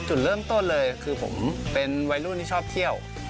จุดเริ่มต้นเลยคือผมเป็นวัยรุ่นที่ชอบเที่ยว